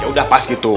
ya udah pas gitu